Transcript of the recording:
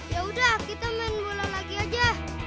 yaudah kita main bola lagi aja